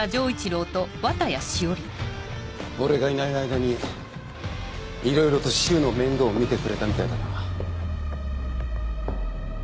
俺がいない間にいろいろと柊の面倒を見てくれたみたいだな。